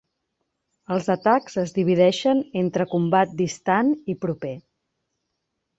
Els atacs es divideixen entre combat distant i proper.